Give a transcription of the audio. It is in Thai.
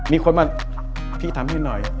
มีคนมาพี่ทำให้หน่อย